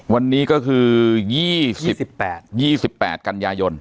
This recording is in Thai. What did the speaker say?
วันนี้ก็คือ๒๘๒๘กันยายน